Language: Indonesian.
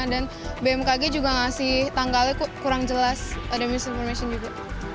dan bmkg juga ngasih tanggalnya kurang jelas ada misinformation juga